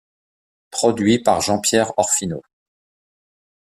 Produit par Jean-Pierre Orfino.